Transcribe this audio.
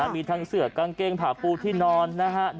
มีทั้งเสือกกางเกงผ่าปูที่นอนนะฮะ